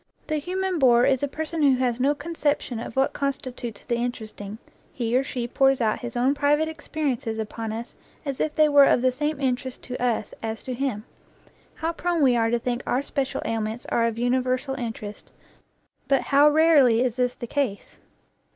The human bore is a person who has no conception of what consti tutes the interesting; he or she pours out his own private experiences upon us as if they were of the same interest to us as to him. How prone we are to think our special ailments are of universal interest, but how rarely is this the case